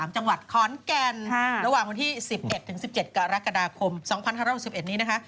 จังหวัดขอนแก่นระหว่างวันที่๑๑ถึง๑๗กรกฎาคม๒๕๖๑นี้นะคะ